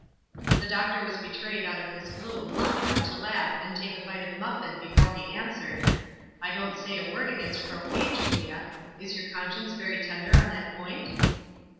The doctor was betrayed out of his gloom long enough to laugh and take a bite of muffin before he answered, — ff I don't say a word against croquet, Julia. Is your conscience very tender on that point?"